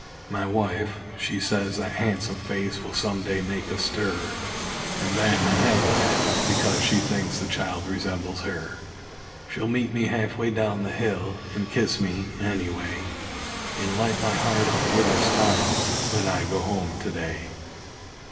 My wife, she says that han'some face will some day make a stir; And then I laugh, because she thinks the child resembles her. She'll meet me half way down the hill, and kiss me, any way; And light my heart up with her smiles, when I go home to day!